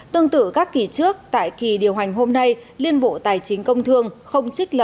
tương tự các kỳ trước tại kỳ điều hành hôm nay liên bộ tài chính công thương không trích lập